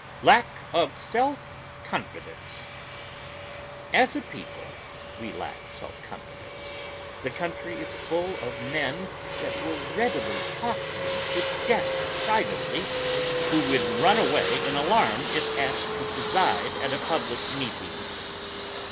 LACK OF SELF CONFIDENCE As a people we lack self confidence. The country is full of men that will readily talk you to death privately, who would run away in alarm if asked to preside at a public meeting.